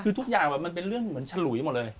คือทุกอย่างมันเป็นเรื่องเหมือนฉลุยหมดเลย